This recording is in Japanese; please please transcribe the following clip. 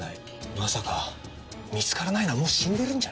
まさか見つからないのはもう死んでるんじゃ。